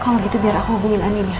kalau gitu biar aku hubungin anin ya